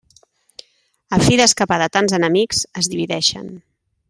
A fi d'escapar de tants enemics, es divideixen.